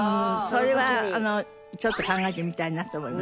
それはちょっと考えてみたいなと思いますね。